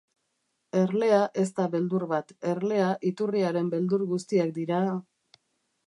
Erlea ez da beldur bat, erlea Iturriaren beldur guztiak dira...